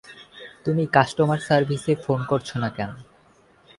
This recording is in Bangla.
তুমি কাস্টমার সারভিসে ফোন করছ না কেন?